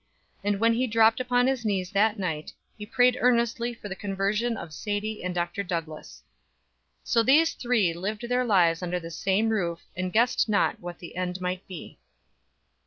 And when he dropped upon his knees that night he prayed earnestly for the conversion of Sadie and Dr. Douglass. So these three lived their lives under that same roof, and guessed not what the end might be.